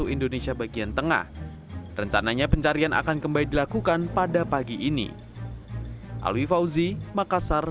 indonesia bagian tengah rencananya pencarian akan kembali dilakukan pada pagi ini alwi fauzi makassar